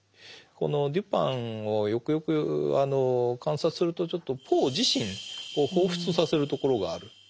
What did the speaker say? このデュパンをよくよく観察するとちょっとポー自身を彷彿とさせるところがある。